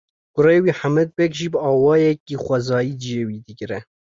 Kurê wî Hemed Beg jî bi awayekî xwezayî ciyê wî digire.